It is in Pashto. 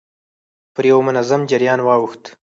پر يوه منظم جريان واوښت.